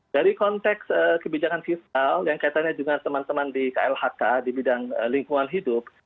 dari konteks kebijakan fiskal yang kaitannya dengan teman teman di klhk di bidang lingkungan hidup